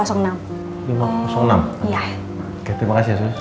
oke terima kasih ya sus